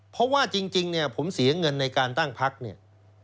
เพราะว่าจริงเนี่ยผมเสียเงินในการตั้งพักเนี่ย